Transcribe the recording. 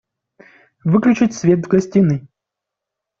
Выключить свет в гостиной!